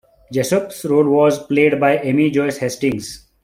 Jessop's role was played by Amy-Joyce Hastings.